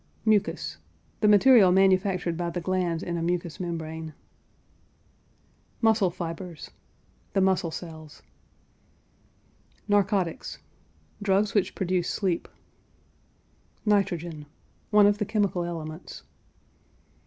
MUCUS. The material manufactured by the glands in a mucous membrane. MUSCLE FIBERS. The muscle cells. NARCOTICS. Drugs which produce sleep. NITROGEN. One of the chemical elements.